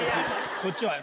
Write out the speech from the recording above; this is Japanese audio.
こっちは？